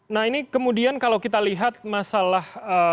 nah ini kemudian kalau kita lihat masalah